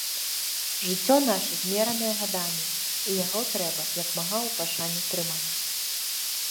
Жыццё наша змеранае гадамі і яго трэба як мага ў пашане трымаць.